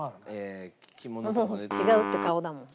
もう違うって顔だもん。